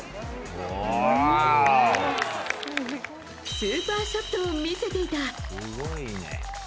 スーパーショットを見せていた。